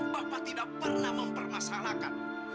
bapak tidak pernah mempermasalahkan